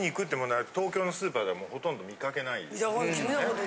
はい。